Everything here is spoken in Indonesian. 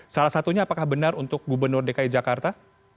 salah satunya apakah benar untuk gubernur dki jakarta